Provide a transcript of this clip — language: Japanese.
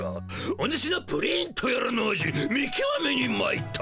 おぬしのプリンとやらの味見きわめにまいった。